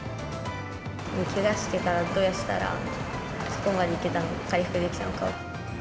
けがしてからどうしたら、あそこまでいけたのか、回復できたのか。